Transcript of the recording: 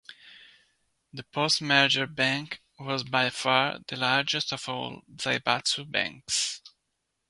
The post-merger bank was by far the largest of all the zaibatsu banks.